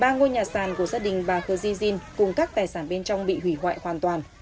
ba ngôi nhà sàn của gia đình bà khớzyn cùng các tài sản bên trong bị hủy hoại hoàn toàn